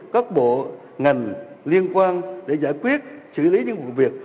các bộ ngành liên quan để giải quyết xử lý những vụ việc